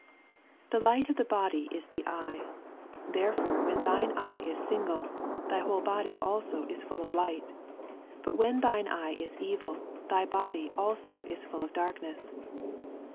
34 The light of the body is the eye : therefore when thiue eye is single, thy whole body also is full of light ; but when thine eye is evil, thy body also m full bt darkness.